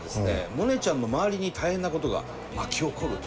モネちゃんの周りに大変なことが巻き起こると。